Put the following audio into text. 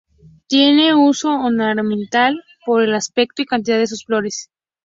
Tiene uso ornamental por el aspecto y cantidad de sus flores.